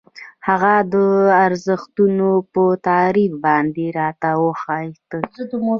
هغه د ارزښتونو په تعریف باندې راته اوښتي.